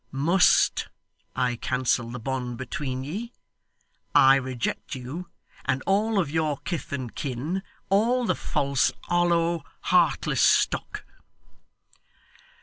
Must. I cancel the bond between ye. I reject you, and all of your kith and kin all the false, hollow, heartless stock.